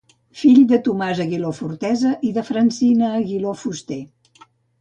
Fill de Tomàs Aguiló Fortesa i de Francina Aguiló Fuster.